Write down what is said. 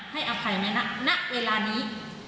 ให้อภัยไหมณเวลานี้